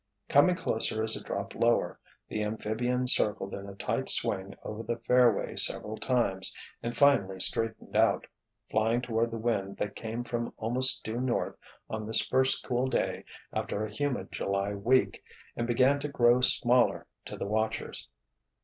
Coming closer as it dropped lower, the amphibian circled in a tight swing over the fairway several times and finally straightened out, flying toward the wind that came from almost due North on this first cool day after a humid July week, and began to grow smaller to the watchers.